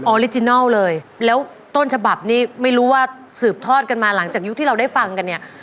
อริจินัลเลยแล้วต้นฉบับนี้ไม่รู้ว่าสืบทอดกันมาหลังจากยุคที่เราได้ฟังกันเนี่ย